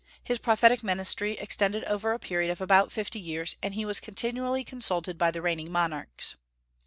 His prophetic ministry extended over a period of about fifty years, and he was continually consulted by the reigning monarchs.